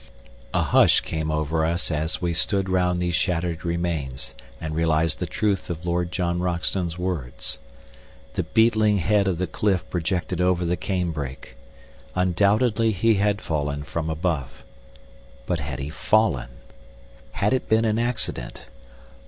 A hush came over us as we stood round these shattered remains and realized the truth of Lord John Roxton's words. The beetling head of the cliff projected over the cane brake. Undoubtedly he had fallen from above. But had he fallen? Had it been an accident?